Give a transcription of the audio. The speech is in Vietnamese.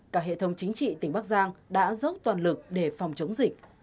cả hệ thống chính trị tỉnh bắc giang đã dốc toàn lực để phòng chống dịch